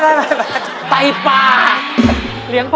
เลี้ยงผัดไข่